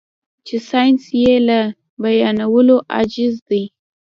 چې ساينس يې له بيانولو عاجز دی.